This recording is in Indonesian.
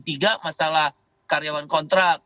tiga masalah karyawan kontrak